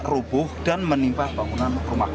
rubuh dan menimpa bangunan rumah